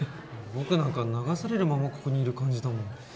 僕なんか流されるままここにいる感じだもん。